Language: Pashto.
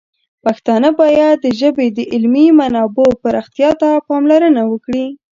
پښتانه باید د ژبې د علمي منابعو پراختیا ته پاملرنه وکړي.